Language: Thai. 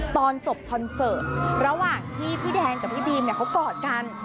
ตอนจบคอนเสิร์ตระหว่างที่พี่แดงกับพี่บีมเนี่ยเขากอดกัน